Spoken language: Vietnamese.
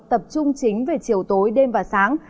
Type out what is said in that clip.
tập trung chính về chiều tối đêm và sáng